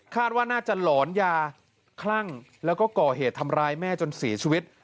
ว่าน่าจะหลอนยาคลั่งแล้วก็ก่อเหตุทำร้ายแม่จนเสียชีวิต